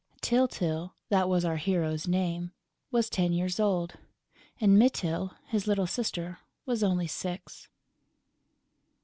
Tyltyl that was our hero's name was ten years old; and Mytyl, his little sister, was only six.